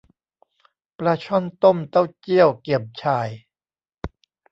ปลาช่อนต้มเต้าเจี้ยวเกี่ยมฉ่าย